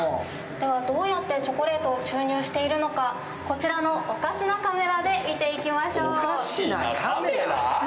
では、どうやってチョコレートを注入しているのか、こちらのおかしなカメラで見ていきましょう。